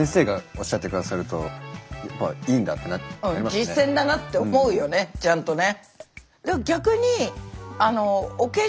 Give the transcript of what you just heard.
でそれで実践だなって思うよねちゃんとね。